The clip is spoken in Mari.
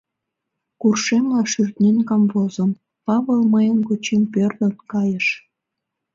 Куржшемла шӱртнен камвозым — Павыл мыйын гочем пӧрдын кайыш.